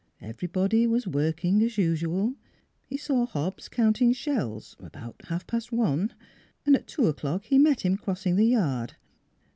Everybody was working as usual. He saw Hobbs counting shells about half past one. At two o'clock he met him crossing the yard.